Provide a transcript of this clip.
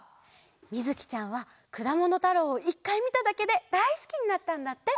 みずきちゃんは「くだものたろう」を１かいみただけでだいすきになったんだって。